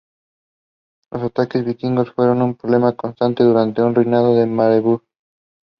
The series stars Sara Maldonado and Carlos Ferro.